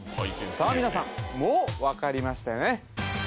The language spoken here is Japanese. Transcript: さあ皆さんもう分かりましたよね